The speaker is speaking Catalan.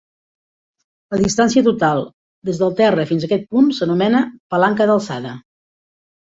La distància total des del terra fins a aquest punt s'anomena palanca d'alçada.